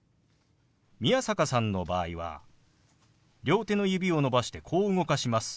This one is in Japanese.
宮坂さんの場合は両手の指を伸ばしてこう動かします。